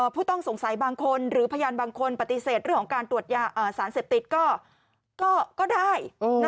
ผู้ต้องสงสัยบางคนหรือพยานบางคนปฏิเสธเรื่องของการตรวจสารเสพติดก็ได้